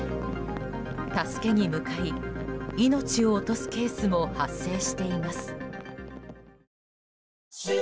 助けに向かい命を落とすケースも発生しています。